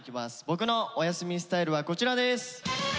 「ボクのおやすみスタイル」はこちらです。